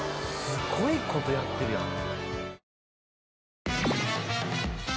すごいことやってるやん。